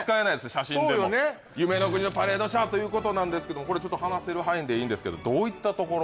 写真でも夢の国のパレード車ということなんですけども話せる範囲でいいんですけどどういったところ？